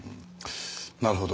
なるほど。